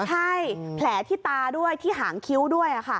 ใช่แผลที่ตาด้วยที่หางคิ้วด้วย